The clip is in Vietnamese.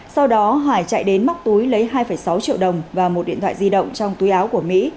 sau đó hải chạy đến móc túi lấy hai sáu triệu đồng và một điện thoại di động trong túi áo của mỹ